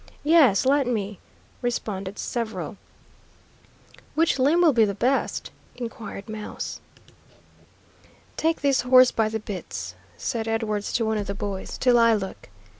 "Yes, let me," responded several. "Which limb will be best?" inquired Mouse. "Take this horse by the bits," said Edwards to one of the boys, "till I look."